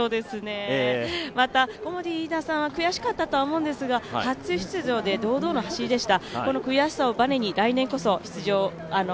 またコモディイイダさんは悔しかったと思うんですが、初出場で堂々の走りでした。